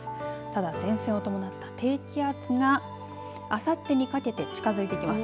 ただ前線を伴った低気圧があさってにかけて近づいてきます。